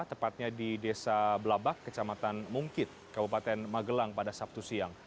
tepatnya di desa belabak kecamatan mungkit kabupaten magelang pada sabtu siang